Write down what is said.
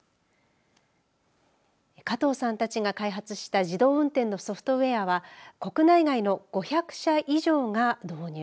加藤さんたちが開発した自動運転のソフトウエアは国内外の５００社以上が導入。